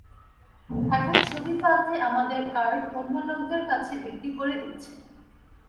এখন ছবি পাল্টে আমাদের কার্ড অন্য লোকদের কাছে বিক্রি করে দিচ্ছে।